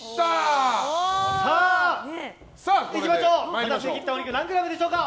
果たして切ったお肉何グラムでしょうか。